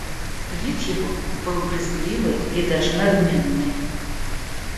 Вид его был брезгливый и даже надменный.